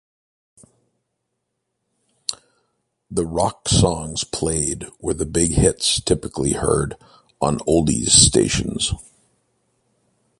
The rock songs played were the big hits typically heard on oldies stations.